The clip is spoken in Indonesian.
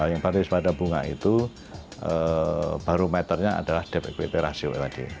yang berbasis pada bunga itu barometernya adalah depth equity ratio